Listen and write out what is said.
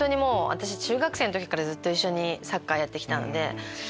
私中学生の時からずっと一緒にサッカーやってきたので。